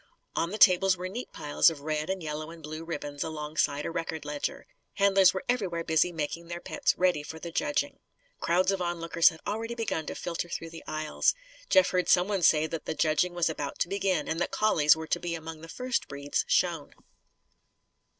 On the tables were neat piles of red and yellow and blue ribbons alongside a record ledger. Handlers were everywhere busy making their pets ready for the judging. Crowds of onlookers had already begun to filter through the aisles. Jeff heard someone say that the judging was about to begin, and that collies were to be among the first breeds shown.